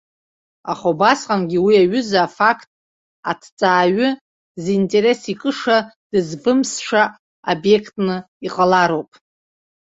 Аха убасҟангьы уи аҩыза афакт аҭҵааҩы зинтерес икыша, дызвымсша обиектны иҟалароуп.